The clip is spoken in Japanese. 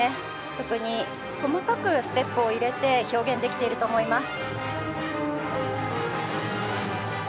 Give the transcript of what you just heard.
特に細かくステップを入れて表現できていると思います。